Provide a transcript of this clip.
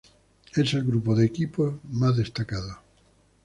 Es el grupo de equipos más destacado.